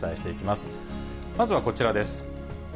まずはこちらです。